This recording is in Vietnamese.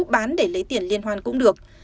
bán để lấy tiền liên hoan cũng được